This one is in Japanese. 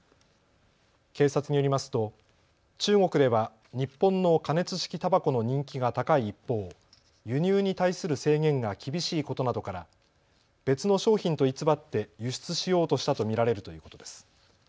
警察によりますと中国では日本の加熱式たばこの人気が高い一方、輸入に対する制限が厳しいことなどから別の商品と偽って輸出しようとしたと見られるということです。